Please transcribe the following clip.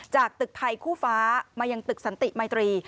จากตึกไทยคู่ฟ้ามายังตึกสันติมัยตรี